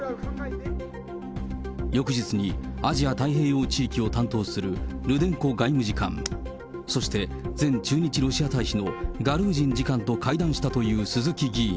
翌日に、アジア太平洋地域を担当するルデンコ外務次官、そして前駐日ロシア大使のガルージン次官と会談したという鈴木議員。